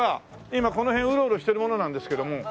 今この辺ウロウロしてる者なんですけども。